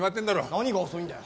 何が遅いんだよ？